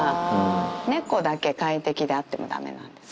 猫だけ快適であってもだめなんですよ。